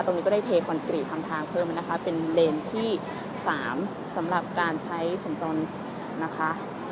ตรงนี้ก็ได้เทคอนกรีตทำทางเพิ่มนะคะเป็นเลนที่๓สำหรับการใช้สัญจรนะคะ